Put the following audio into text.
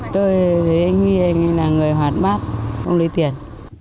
tôi thấy anh huy là người hoạt mát không lấy tiền